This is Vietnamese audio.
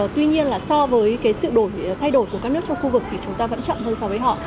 tuy nhiên là so với cái sự thay đổi của các nước trong khu vực thì chúng ta vẫn chậm hơn so với họ